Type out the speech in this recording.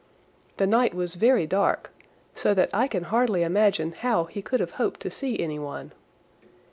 The night was very dark, so that I can hardly imagine how he could have hoped to see anyone.